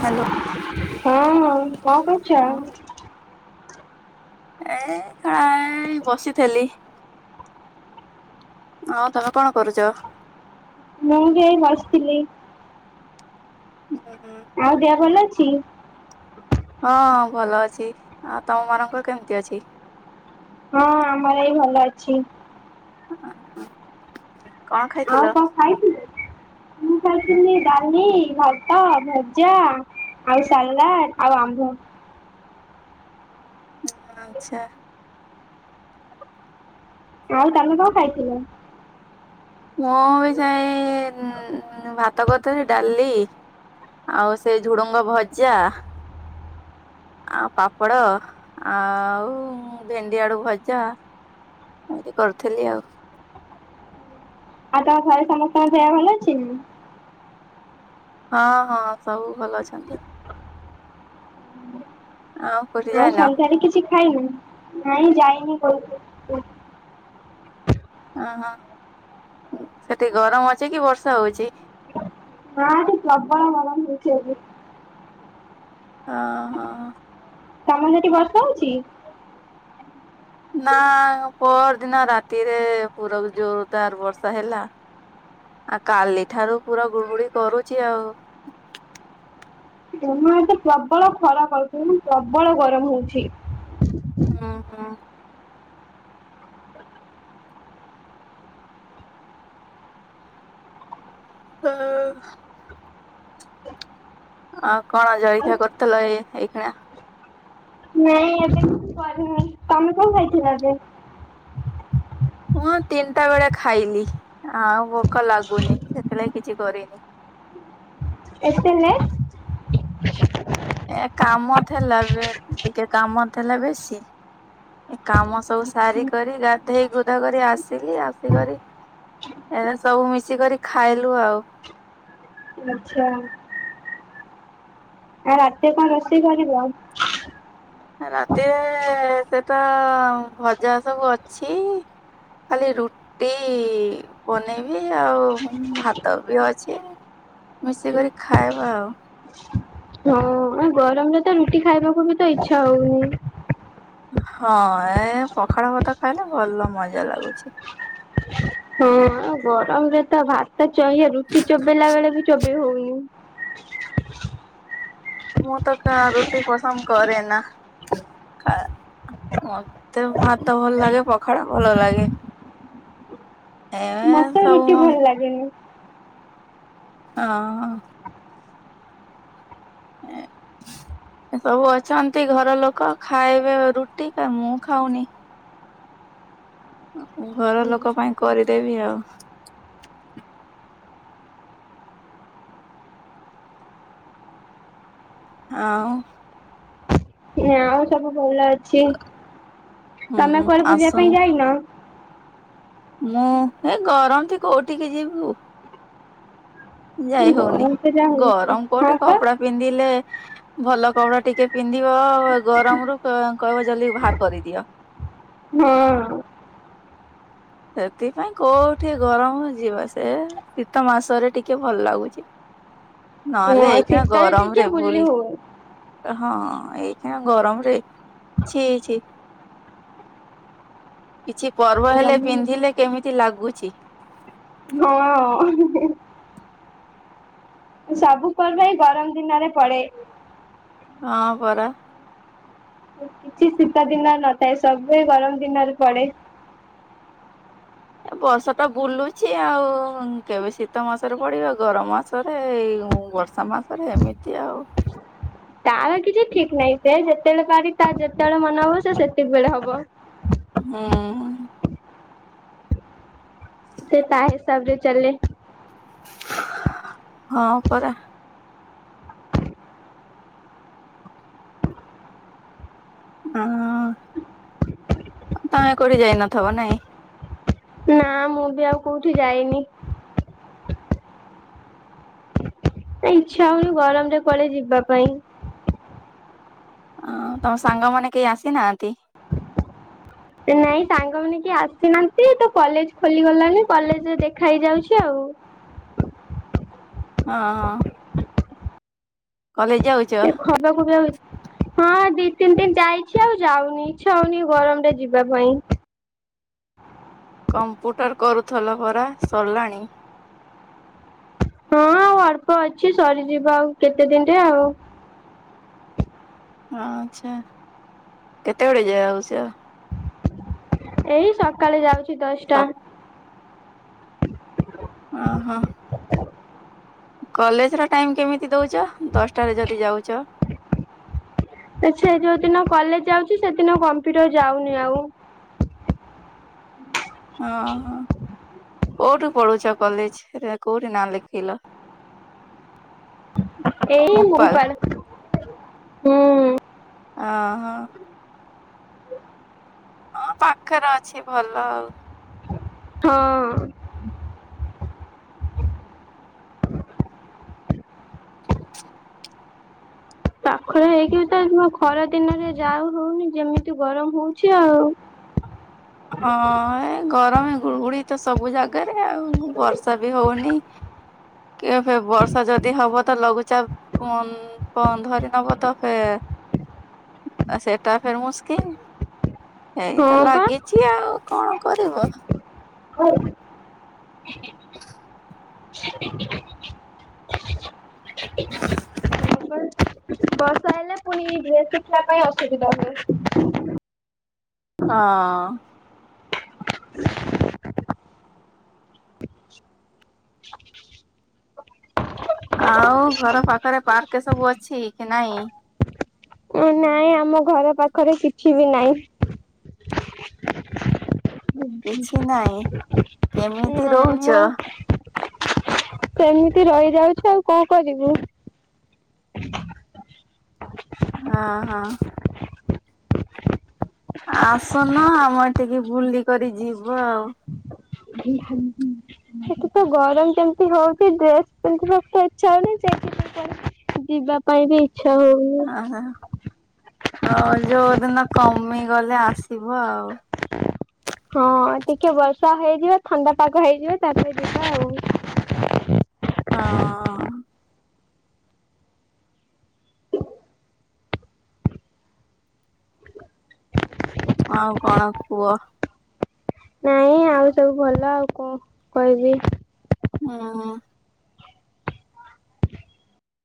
Hello [inaudible] ହ କଣ ହଁ କରୁଛ। ଆ ଖାଇ ବସିଥିଲି। ହଁ ତମେ କଣ କରୁଛ? ମୁଁ ବି ବସିଥିଲି। ହୁଁ ହଁ। ଆଉ ଦେହ ଭଲ ଅଛି? ହଁ ହଁ ଭଲ ଅଛି ଆ ତମ ମାନଙ୍କର କେମିତି ଅଛି? ହଁ ଆମର ବି ଭଲ ଅଛି। [unintelligible] ଆଉ କଣଖାଇଥିଲେ? ମୁଁ ଖାଇଥିଲି ଡାଲି ଭାତ ଭଜା। ଆଉ ସାଲଦ ଆଉ ଆମ୍ବ। ଆଛା। ଆଉ ତମେ କଣ ଖାଇଥିଲ। ମୁଁ ବି ଯାଇ ଭାତ କରିଥିଲଥିଲି ଡାଲି। ଆଉ ସେଇ ଝୁଡୁଙ୍ଗ ଭଜା। ଆଉ ପାପଡ଼ ଆଉ ଭେଣ୍ଡିଆଡୁ ଭଜା। ଏମତି କରିୁଥିଲି ଆଉ। ଆଉ ତମ ଘରେ ସମସ୍ତଙ୍କ ଦେହ ଭଲ ଅଛି। ହଁ ହଁ ସବୁ ଭଲ ଅଛନ୍ତି ଆଉ। କୋଉଠି ଆଉ ଯାଇନ? ସନ୍ଧ୍ୟାରେ କିଛି ଖାଇନି ନାଇଁ ଯାଇନି। କୋଉ ଓହୋ ସେଠି ଗରମ ଅଛି କି ବର୍ଷା ହଉଛି। ହଁ ଏଠି ପ୍ରବଳ ଗରମ ହଉଛିଏଠି। ହଁ ହଁ। ତମ ସେଠି ବର୍ଷ ହଉଛି? ନା ପର ଦିନ ରାତିରେ ପୁର ଜୋରଦାର ବର୍ଷା ହେଲା। ଆ କାଲିଠାରୁ ପୁରା ଗୁଡୁଗୁଡି କରୁଛି ଆଉ। ତମ ଏତେ ପ୍ରବଳ ଖରାପ ହଉଛି ମୁଁ ପ୍ରବଳ ଗରମ ହଉଛି। ହଁ ହଁ। ହଁ। ଆ କଣ ଆଉ ଜଳଖିଆ କରିୁଥିଲ ଏଇ ଏଇ କିଣା। ନାଇଁ ଏବେ କିଛି କରିନି ତମେ କଣ ଖାଇଥିଲ ଏବେ। ମୁଁ ତିନିଟା ବେଳେ ଖାଇଲି ଆଉ ଭୋକ ଲାଗୁନି ସେଥିଲାଗି କିଛି କରିନି। ଏତେନେ ଏ କାମ ଥିଲା ଟିକେ କାମଥିଲା ବେଶୀ। ଏ କାମ ସବୁ ସାରି କରି ଗାଧେଇ ଗୁଧା କରି ଆସିଲି ଆସିକରି। ଏଟା ସବୁ ମିଶିକରି ଖାଇଲୁ ଆଉ। ଆଛା। ଆଉ ରାତିରେ କଣ ରୋଷେଇ କରିବ? ରାତିରେ ସେଟା ଭଜା ସବୁ ଅଛି। ଖାଲି ରୁଟ ରଟି ବନେଇବି ଆଉ ଭାତ ବି ଅଛି। ମିଶିକରି ଖାଇବା ଆଉ। ହଁ ଆ ଗରମରେ ତ ରୁଟି ଖାଇବାକୁ ବି ତ ଇଚ୍ଛା ହଉନି। ହଁ ଏ ପଖାଳ ଭତ ଖାଇଲେ ଭଲ ମଜା ଲାଗୁଛି। ହଁ ଗରମ ରେ ତ ଭାତ ଚହି ରୁଟି ଚୋବେଇଲା ବେଳେ ବି ଚୋବେଇ ହଉନି। ମୁଁ ତ କା ରୁଟି ପସନ୍ଦ କରେ ନା। ଖା ମତେ ଭାତ ଭଲ ଲାଗେ ପଖାଳ ଭଲ ଲାଗେ। ଇଁ। କିଛି ଭଲ ଲାଗେନି। ହଁ। ଏଁ ଏ ସବୁ ଅଛନ୍ତି, ଘର ଲୋକ ଖାଇବେ ରୁଟି ତ ମୁଁ ଖାଉନି। ଅଁ ଘରଲୋକ ପାଇଁ କରିଦେବି ଆଉ। ଆଁଉ ନା ଆଉ ସବୁ ଭଲ ଅଛି। ତମେ ହୁଁ କୁଆଡେ ବୁଲିବା ଆସୁନ ପାଇଁ ଯାଇନ? ମୁଁ ଏ ଗରମ ତି କୋଉଠିକି ଯିବୁ? ଯାଇ ହଉନି। ଗରମ ତ ଯାହା ହଉଛି। ଗରମ ପଡୁଚି, ହଁ ପା କପଡା ପିନ୍ଧିଲେ ଭଲ କପଡା ଟିକେ ପିନ୍ଧିବ, ଅ ଗରମରୁୁ କ-କହିବ ଜଲଦି ବାହାର କରିଦିଅ। ହଁ। ସେଥିପାଇଁ କୋଉଠି ଗରମ ଯିବ, ସେ ଶୀତ ମାସରେ ଟିକେ ଭଲ ଲାଗୁଛି ନହେଲେ ହଁ ଏଇଖିଣା ଶୀତରେ ଟିକେ ଗରମରେ ବୁଲି ଭୁଲି ହୁଏ। ହଁ, ଏଇଖିଣା ଗରମରେ ଛି ଛି କିଛି ପର୍ବ ହେଲେ ଜମା ପିନ୍ଧିଲେ କେମିତି ଲାଗୁଛି? ହଁ। ସବୁ ପର୍ବ ଏଇ ଗରମ ଦିନରେ ପଡେ। ହଁ, ପରା। କିଛି ଶୀତଦିନରେ ନଥାଏ, ସବୁ ଏଇ ଗରମ ଦିନରେ ପଡେ। ଏ ବର୍ଷ ତ ବୁଲୁଛି ଆଉ। କେବେ ଶୀତ ମାସରେ ପଡିବ, ଗରମ ମାସରେ, ଏଇ ବର୍ଷ ସ ମାସରେ ଏମିତି ଆଉ। ତାର କିଛି ଠିକ୍ ନାହିଁ, ସେ ଯେତେବେଳେ ପାରି ତା ଯେତେବେଳେ ମନ ହବ, ସେ ସେତିକି ବେଳେ ହବ। ହୁଁ। ସେ ତା ହିସାବରେ ଚାଲେ। ହଁ, ପରା। ହଁ, ତମେ କୋଉଠିକି ଯାଇ ନଥବ ନାଇଁ? ନା, ମୁଁ ବି ଆଉ କୋଉଠିକି ଯାଇନି। ଏ ଇଚ୍ଛା ହଉନି, ଗରମରେ କୁଆଡେ ଯିବା ପାଇଁ। ଆଁଉ ତମ ସାଙ୍ଗମାନେ କେହି ଆସିନାଆନ୍ତି? ଏ ନାଇଁ, ସାଙ୍ଗମାନେ କିଏ ଆସିନାନ୍ତି, ତ କଲେଜ ଖୋଲିଗଲାଣିି, କଲେଜରେ ଦେଖା ହେଇଯାଉଛି ଆଉ। ହଁ, ହଁ। କଲେଜ ଯାଉ ଏ ଖରାକୁ ବି ଆଉ ଏ ହଁ, ଦି ତିନି ଦିନି ଯାଇଛି ଆଉ ଯାଉନି, ଇଚ୍ଛା ହଉନି ଏ ଗରମରେ ଯିବା ପାଇଁ। କମ୍ପ୍ୟୁଟର କରୁଥଲ ପରା, ସରିଲାଣି? ହଁ, ଆଉ ଅଳ୍ପ ଅଛି, ସରିଯିବ ଆଉ କେତେ ଦିନରେ ଆଉ। ହଁ ଆଚ୍ଛା। କେତେବେଳେ ଯାଉଚ? ଏଇ ସକାଳେ ଯାଉଛି ଦଶଟା। ଅ ହଁ। କଲେଜର ଟାଇମ୍ କେମିତି ଦଉଚ, ଦଶଟାରେ ଯଦି ଯାଉଚ? ଆଚ୍ଛା, ଯୋଉ ଦିନ କଲେଜ ଯାଉଚି, ସେଦିନ କମ୍ପ୍ୟୁଟର ଯାଉନି ଆଉ। ଅ ହଁ। କୋଉଠୁ ପଢୁଛ କଲେଜ ରେ, କୋଉଠି ନାଁ ଲେଖେଇଲ? ଏଇ ମୋପାଲ ମୁଗୁପାଳ, ହୁଁ। ଅଁ ହଁ। ଅ ପାଖରେ ଅଛି ଭଲ ଆଉ। ହଁ। ପାଖରେ ହେଇକି ବି ତ ଏ ଯୋଉ ଖରାଦିନରେ ଯାଉ ହଉନି, ଯେମିତି ଗରମ ହଉଛି ଆଉ। ହଁ, ଏ ଗରମ ଗୁଳଗୁଡି ତ ସବୁ ଜାଗାରେ ଆଉ। ବର୍ଷା ବି ହଉନି କି ଏବେ ବର୍ଷା ଯଦି ହବ ତ ଲଘୁଚାପ କନ୍ କନ୍ ଧରି ନବ ତ ଫେର ଆ ସେଟା ଫର ମସ୍କିଲ ଏଇ ତ ହଁ ପା। ଲାଗିଚି ଆଉ କଣ କରିବ? ହଁ। [inaudible] ବର୍ଷା ହେଲେ ପୁଣି ଡ୍ରେସ ଶିଖିବା ପାଇଁ ଅସୁବିଧା ହୁଏ। ହଁ ହଁ। ଆଉ ଘର ପାଖରେ ପାର୍କ ସବୁ ଅଛି? [unintelligible] ନାଇଁ ଆମ ଘର ପାଖରେ କିଛି ବି ନାହିଁ। କିଛି ନାଇଁ [inaudible] କେମିତି ନା ଆମ ରହୁଚ? ସେମିତି ରହିଯାଉଚୁ ଆଉ କଣ କରିବୁ? ହଁ ହଁ। ଆସନ ଆମ ଆଡ଼େ ଟିକେ ବୁଲିିକ ଯିବ ଆଉ। [unintelligible] ସେଠି ତ ଗରମ କେମିତି ହୋଉଚି ଡ୍ରେସ ପିନ୍ଧିବାକୁ ତ ଇଚ୍ଛା ହୋଉନି, ସେଇଥିପାଈଁ ତ ଯିବା ପାଇଁ ବି ଇଚ୍ଛା ହୋଉନି। ଆ ହଁ ଯୋଉଦିନ କମିଗଲେ ଆସିବ ଆଉ। ହଁ ଟିକେ ବର୍ଷା ହେଇଯିବ ଥଣ୍ଡା ପାଗ ହେଇଯିବା ତାପରେ ଯିବା ଆଉ। ହଁ। ଆଉ କଣ କୁହ? ନାଇଁ ଆଉ ସବୁ ଭଲ ଆଉ କଣ କହିବି? ହଁ।